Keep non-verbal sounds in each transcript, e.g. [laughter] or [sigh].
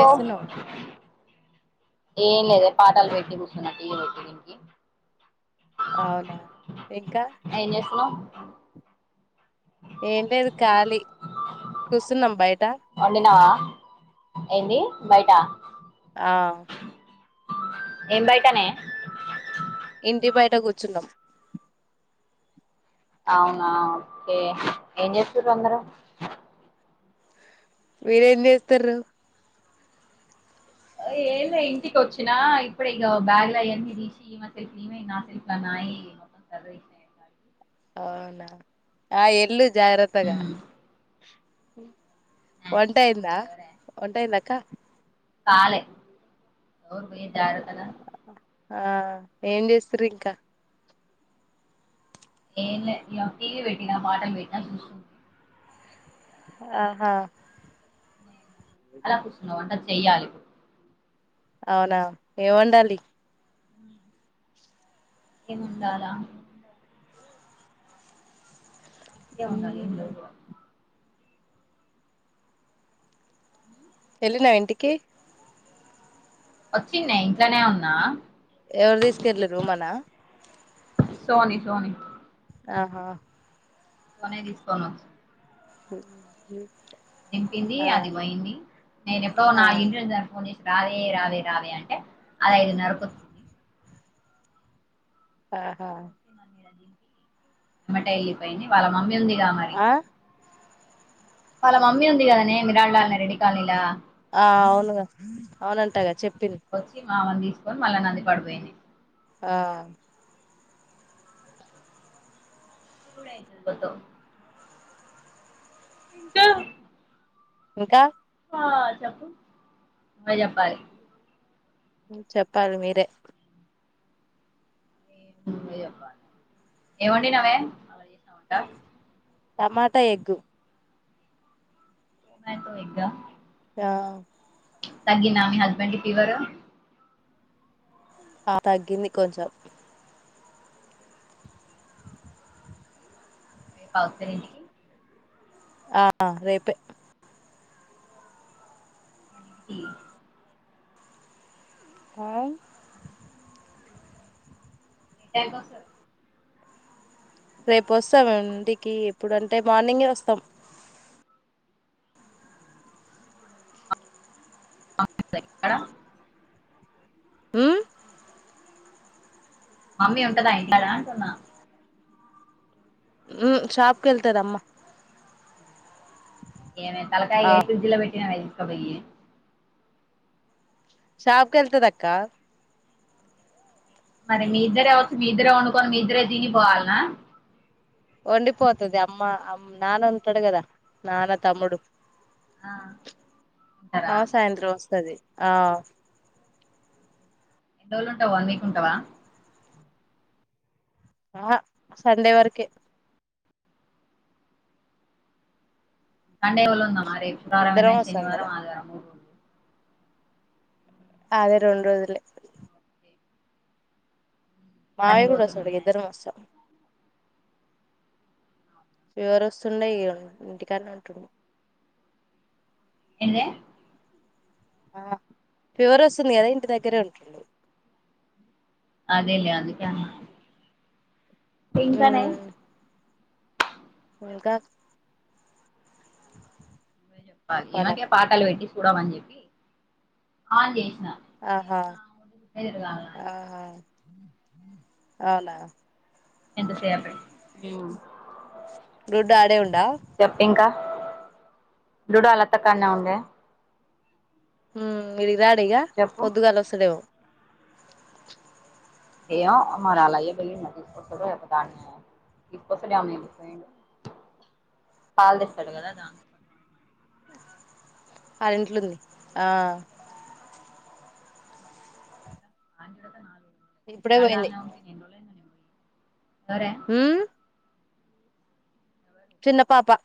ఓ ఏ లేదే పాటలు పెట్టి కూసున్న ఈనాకి దీనికి అవునా ఇంకా ఏం చేస్తున్నావ్ ఏం లేదు కాళీ. కూసున్నం బయట వండినావా టా ఆ ఎమ్ బైటనే ఇంటి బైట్ ట్ట కూచుందం కే ఏ చేసురందరు మీరేస్తూరు హో ఏన్లే ఇంటికొచ్చిన్నా ఇప్పుడే ఇగా బ్యాగ్లైయని తీసి ఈమె తెలుఫుల ఈమై. నా తెలఫులా నాయి మొత్తం సాదిరిసిన అవునా ఆ ఏళ్ళు జారాతగా ఉమ్ ఒంటైందా ఎవరే ఒంటైందక్క కాలే నోరు ముయి జాగ్రతగా ఆ ఆ ఎమ్ చేసురింకా ఏన్లే ఇంగాఫ్ టీవి పెట్టిన మాటలు పెట్టిన సుస్కు ఆహా నేను అలా కూసున్నావ్ అందద్ ఏయాలి అవునా ఏవండాలి ఏమోండాలా చీకే వండాలి. ఎమ్ లేవుగా ఎళ్ళిన ఇంటికి వొచ్చింన్య ఇంట్లోనే ఉన్నా ఎవరు తీసుకెళ్ళరు మన సోనీ సోనీ ఆహ సోనే దీసుకోనొచ్చిం ఓకే నింపింది అది పోయింది నేను ఎప్పుడో ఆ [unintelligible] నా ఫోన్ జేసి రావే రావే రావే అంటే అది ఐదున్నరకు వచ్చింది ఆహా అమ్మట ఎళ్ళిపెయింది వాళ్ళ మమ్మీ వుంది గా మరి ఆ వాళ్ళ మమ్మీ ఉంది గద నే మిరాళ లాల్ నా రెడ్డి కాలనీలా ఆ అవునుగా అవునంటగా చెప్ వొచ్చిం ఆమని దీసుకొని మళ్ళా నంది పడిపోయింది ఆ [unintelligible] ఇంకా ఇంకా హా చెప్పు నువ్వే జెప్పాలి ఉమ్ చెప్పాలి మీరే ఏం నువ్వే జెప్పాలి ఏం వొండినావే టమాటా ఎగ్గు టమేటో ఎగ్గా యా తగ్గినా మీ హస్బెండు పివరు ఆ తగ్గింది కొంచెం [unintelligible] ఆ రేపే ఉ హ ఏ టైం కి వస్తరు రేపు వస్తాము ఇంటికి ఎప్పుడంటే మార్నింగే వస్తాం మార్నింగ్ ఏ వత్తర ఉ మమ్మీ ఉంటదా ఇంట్లో నా అంటున్నా ఉహు షాప్ కి ఎళ్తది అమ్మ ఏమె ఆ తలకాయి ఫ్రిడ్జ్ లో బె ట్టినావ ఇసకబొయ్యి షాప్ కెల్తదక్క మరి మీ ఇద్దరే వొచ్చు మీ ఇద్దరే వండుకొని మీ ఇద్దరే దిని పోవాలనా వొండిపోతది అమ్మ అమ్ నాన్న వుంటడు గదా నాన్నా తమ్ముడు ఆ ఉంటారా ఆ సాయంత్రం వస్తది ఆ ఎన్ని రోజులు ఉంటావా వన్ వీక్ ఉంటావా ఆ సండే వరకే సండే ఎవళ్ళూ ఉందా శుక్రవారం ఇద్దరం ఏయినా వస్తాం శనివారం కదా ఆదివారం. అదే రెండు రోజులు మావే పనికి కూడా పోతున్నా మీ వస్తాడుకి ఆయన ఇద్దరం వస్తాం ఫీవర్ వస్తుండ ఇ ఇంటికర ఉంటంది ఎద ఆ ఫీవర్ వస్తుంది కదా ఇంటి దగ్గరే ఉంటుడు అదేలే అదిక ఇంకానే మ్మ్ చెప్పు ఇంకా నువ్వే జెప్పాలి ఏమెకే చెప్పాలక్క పాటలు పెట్టి చూడమని జెప్ అగే ఆహా ఆహా అవునా ఎంత చేయలి గుడ్డు ఆడే ఉడా దడు లత కాదనే ఉండ ఇ రాడిగా చెప్పు పొద్దుగాలు వస్తడేవు ఏయ్యో మరి అలా అయ్య బలిమా తీసుకొస్తాడు లేకపో దాన్ని తీసుకొస్తాడు అడు పాలు తెస్తాడు కదా దాంతో పాటు వాళ్ళ ఇంట్లో ఉందా ఆ ఆంగ్ర నాలుగు ఇప్పుడే పోయింది ఎా ఉంట సరే మ్మ్ చిన్న పాపా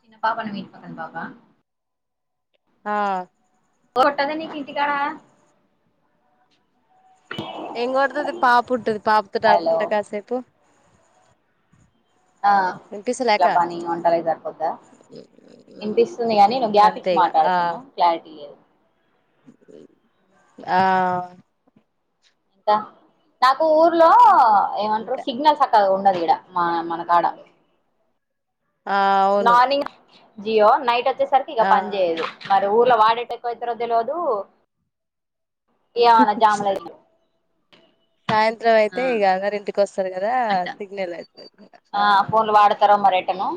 చిన్న పాపన మీట్ పకం బాపా ఆ తోట తనికితి కానా ఎంగడతోది పాపు ఉంటది పాపు త హలో ఆడుకుంటా కాసేపు ఆ వినిపిస్తలే ఇంట్లా అక్క పని వంటాల సరిపోద్దా ఇనిపిస్తుంది కాగాని నువ్వు మ్మ్ గ్యాప్చ్చి అంతే ఇగ ఆ మాట్లాడుతున్నావు క్లారిటీ లేదు ఆ ఇంకా నాకు ఊర్లో ఏంట ఇంకా సిగ్నల్ ఉండది ఇక్కడ మ మనకాడా ఆ అవును నానింగ్ జియో నైట్ వచ్చేసరికి ఇక ఆ పని చేయదు ఊర్లో వాడేటకుయితద లేదు ఏ ఆనా జామ్ [unintelligible] సాయంత్రం అయితే ఈక అగరింత వస్తాది కదా అట్ట సిగ్నల్ ఆ ఫోన్లు వాడతార మరి కేను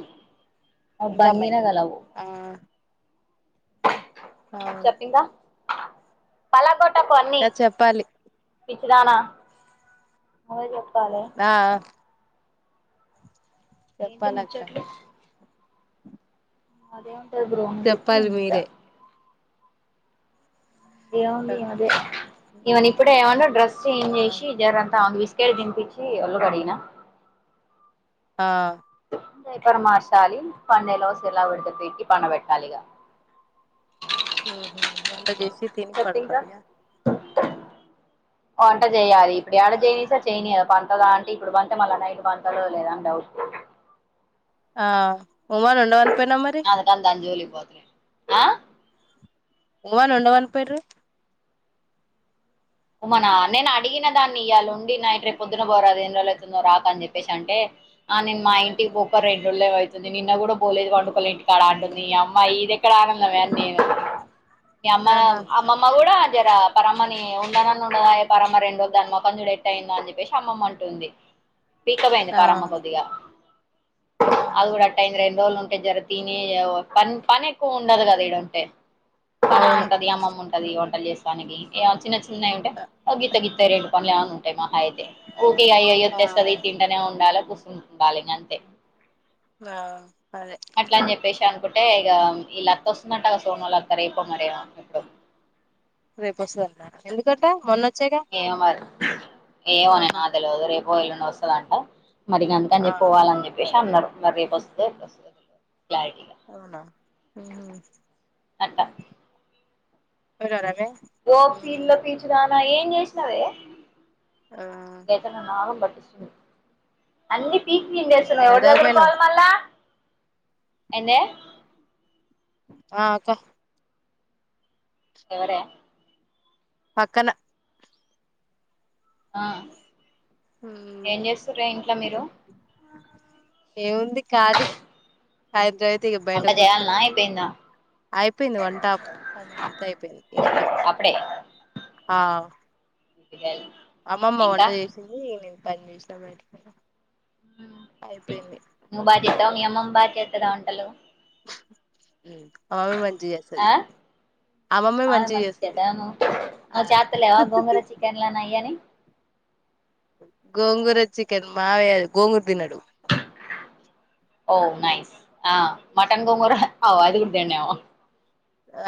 ఆ ఇంకా అమ్మాయి భంగిన కలవు ఆ అవును చెప్పిందా అలగట్ ఇ చెప్పాలి పిచ్చిదానా అలాగే ఆ ఏంటి చెప్పాలక్క ముచ్చోట్లు అదే బ్రోంగకు చెప్పాలి ఉంట మీరే ఇమన్ ఇప్పుడే ఏమన్నా డ్రెస్ ఆ చేంజ్ చేసి జరంతా అం కిలు తినిపించి అల్లు కడిగిన ఆ ఎపురమాశాలి పండెలవస ఎలా పండా పెట్టాలిగా మ్ మ్ వంద జెసి తిని చెప్పు పడుకోంద్య అంట చేయలి ఇడు ఎయడ జయినిస చేయినియా ప అదా అంటే ఇప్పుడు పంతే మళ్ళా నైట్ పంతతుదుో లేదాని డౌట్ ఆ ఉమాన్ ఉండవాలి పోయినా మరి అందుకని దాని జోలికి ఆ ఉమన్ ఉండవన్ పోయరు ఉమ్మానా నేను అడిగిన దాన్ని ఇళ ఉండి నైట్, రేపు పొద్దున పోరాదే ఎను రోజులు అవుతుందో రాక అని చెప్పేసి అంటే, ఆ నేను మా ఇంటికి పోక రెండు రోజులు ఏమవుతుంది, నిన్న కూడా పోలేది పండుకల ఇంటికడ అంటుంది, ఈ అమ్మా ఇది ఎక్కడ ఆనందమే అని నేను అమ్మ ఆహా అమ్మమ కూడా జ పరమణ ఉ న ఉండదా పరమ రెండోధన్మకంజుడట్ అయిందో అని చెప్పేసి అమ్మమ్మంటుంది. పీక్క పోయింది ఆ పారమ్మ కొద్దిగా ఆహా అది కూడా అట్టయింది రెండు రోజులు ఉం జర తిని పని పని ఎక్కువ ఉండదు కదా ఈడుంటే పనామే అవును ఉంటది అమ్మమ్మ ఉంటది పని చేస్తానికి ఇగ చిన్న చిన్న చిన్నయి ఉంటే ఒక గీతగీ రెండు పనులులేమన్న ఉంటాయి మహా అయితే ఊకే అయ్యయ్యే ఆ తెస్తది తింటనే ఉండాలి తింటుండాలి ఇకంతే ఆఅదే ఒకటే ఇగ ఈళ్ళత్త వస్తుందంటగా సోనో లత్త రేపో మరి ఏమో ఎప్పుడో రేపు వస్తదంట ఎందుకంట మొన్న ఏమో మరి ఏమోనే ఆహా నాకు తెల్వదు రేపు పోల వసద అంట మరిగా అంతక అని ఆ చె పోవాలని చెప్పేసి అన్నారు మ ప్రస్తు ప్రస్తు అవునా అట్ట ఎాలే పిల్ పిచలా నా ఏం చేసినవే ఇ ఏతున్నాళ బట్ అన్ని పీ స ఎవ ఎడదాకా జదు పోయినావు పోల్ మల్లా ఎన్న ఆక ఎవరే పక్కన ఆ ఏం చేస్తారే ఇంట్లో మీరు ఏముంది ఖాళీ హైదరాబద్ వంట బయటకు చేయాలనా కూర్చకొని అయిపోయిందా అయిపోయింది వన్ టాప్ అని అంతా అయిపోయింది ఏం లేదు అప్పుడే ఆ అమ్మమ్మ ఇంకా వంట చేసింది నేను పనిచేసిన [unintelligible] [unintelligible] మీ అమ్మమ్ బాగ్ చేస్తదా వంటలు అమ్మమ్మ మంచిగా ఆ చేస్తది అమ్మమ్మ అవును మంచిగా చేస్తది చెత్తది ను ఆ నువ్ చేత్తలేవ గోంగర చికెన్లని అయిఅని గోంగూర చికెన్ మావయ గోంగూరు తినడు ఓ నయిస్ ఆ మటన్ గోంగూర అఓ అది గుడ్ తినడేమో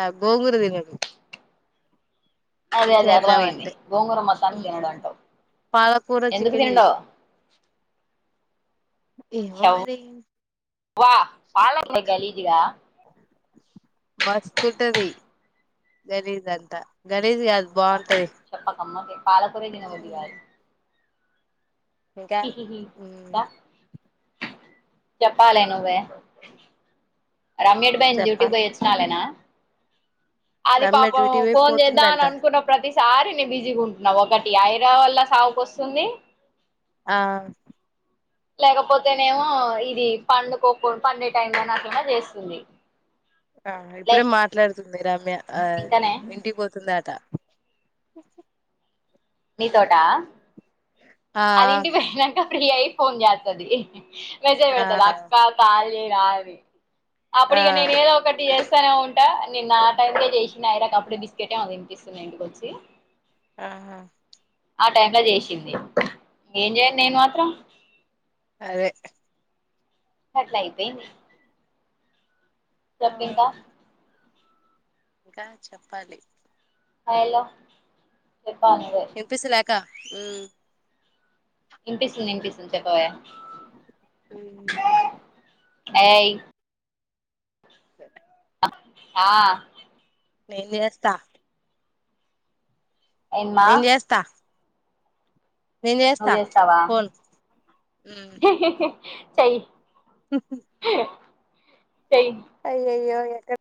ఆ గోంగూర దినడు అదే అదే అర్థమయంది గోంగూరం మొత్తానికి తినడు అంటవు పాలకూర ఎందుకు చికెన్ తినడో చేసిన ఏమో షౌ మరి వా పాలన్నాయ్ గలీజ్ గా మస్తుంటది గలిజంతా గణేష్ ది ఆది బాగుంటది పాలకూరె తినబుద్ధి కాదు ఇంకా ఉమ్ చొప్పాలి నువ్వే రమ్య ఎట్ బొయింది డ్యూటీకి చెప్పాల పోయి వచ్చినాలేన అది రమ్య పాపం డ్యూటీ పోయి ఫోన్ చేద్దాం అని పోతుందంట అనుకున్న ప్రతి సారిని బిజీగా ఉంటున్నా ఒకటి ఐరా వల్ల సావు కొస్తుంది ఆ లేకపోతేనేమో ఇది పడుకోకుం పండే టైమ్ లో అట్లనా చేస్తుంది ఆ లే ఇప్పుడే మాట్లాడుతుంది రమ్య ఆ ఇంకనే ఇంటికి పోతుంన్న దట నీ తోటా ఆ అది ఇంటి కి పోయినంక ఫ్రీ అయి ఫోన్ చెత్తది మెసేజ్ ఆ పెడతది అక్క కాల్ చేయి తారి ఆ అప్పుడిగా నేనూ ఏదో ఓకటి చేస్ తనో ఉంటా నిన్న ఆ టైమ్ కే చేసిన్ ఐరా కప్పుడే బిస్కెట్ ఏమో తినిపిస్తున్నా ఇంటికి వచ్చి అహా ఆ టైమ్ లో చేసింది ఏం చేయను నేను మాత్రం అదే అట్లా అయిపోయింది చెప్ ఇంకా ఇంకా చెప్పాలి ఐలో ఎనిపిస్ లేకా హ్మ్మ్ ఇనిపిస్తుంది ఇనిపిస్తుంది చెప్పవే హ్మ్మ్ ఏయ్ ఆ మెయిల్ చేస్తా ఏంది మా నేన్ చేస్తా నేన్ నువ్వు చేస్తా చేస్తావా ఫోన్ చై మ్ మ్ చై అయయో అయ్యోక్క